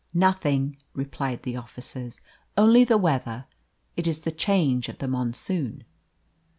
"Nothing," replied the officers; "only the weather. It is the change of the monsoon."